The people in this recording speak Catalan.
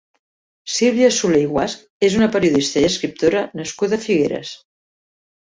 Sílvia Soler i Guasch és una periodista i escriptora nascuda a Figueres.